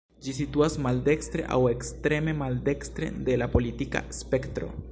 Ĝi situas maldekstre, aŭ ekstreme maldekstre de la politika spektro.